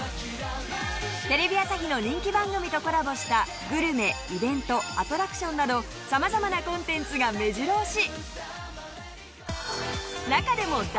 テレビ朝日の人気番組とコラボしたグルメイベントアトラクションなど様々なコンテンツがめじろ押し！